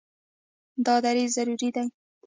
دا دریځ ضروري دی.